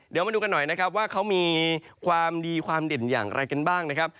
เดี๋ยวมาดูกันหน่อยนะครับว่าเขามีความดีความเด่นอย่างไรกันบ้างนะครับ